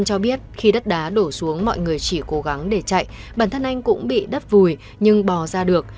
cố gắng để chạy bản thân anh cũng bị đất vùi nhưng bò ra được